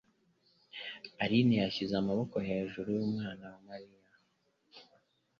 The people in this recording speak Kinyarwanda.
Aline yashyize amaboko hejuru y'umunwa wa Mariya.